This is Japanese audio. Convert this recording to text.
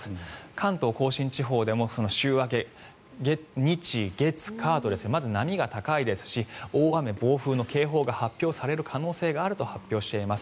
関東・甲信地方でも週明け、日、月、火とまず波が高いですし大雨、暴風の警報が発表される可能性があると発表しています。